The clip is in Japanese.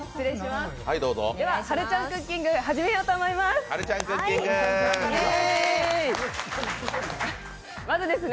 はるちゃんクッキング始めようと思います。